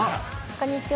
こんにちは。